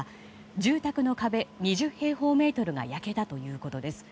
住宅の壁２０平方メートルが焼けたということです。